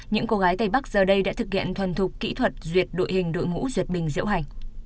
những cô gái tây bắc giờ đây đã thực hiện thuần thục kỹ thuật duyệt đội hình đội ngũ duyệt binh diễu hành